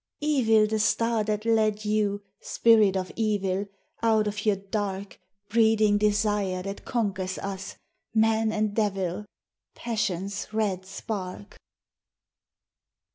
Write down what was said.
Evil the star that led you, spirit of evil, Out of your dark, Breeding desire that conquers us, man and devil Passion's red spark.